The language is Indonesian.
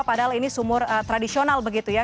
padahal ini sumur tradisional begitu ya